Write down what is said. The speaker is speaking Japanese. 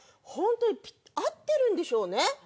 ホントに合ってるんでしょうね。